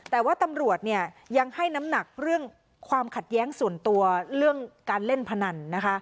แต่ว่าตำรวจยังให้น้ำหนักเรื่องความขัดแย้งส่วนตัวเรื่องการเล่นพนันนะคะ